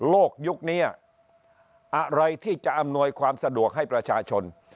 ยุคนี้อะไรที่จะอำนวยความสะดวกให้ประชาชน